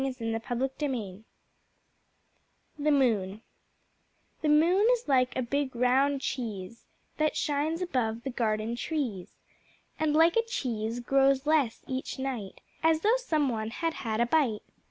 The Moon The Moon is like a big round cheese That shines above the garden trees, And like a cheese grows less each night, As though some one had had a bite.